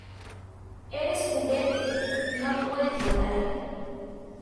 ¡ Eres juguete! ¡ no puedes volar!